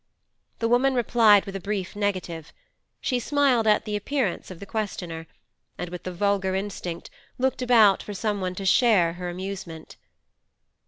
The woman replied with a brief negative; she smiled at the appearance of the questioner, and, with the vulgar instinct, looked about for someone to share her amusement.